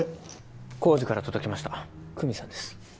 浩次から届きました久実さんです。